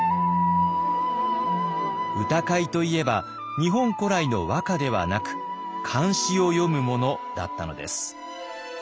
歌会といえば日本古来の和歌ではなく漢詩を詠むものだったのです。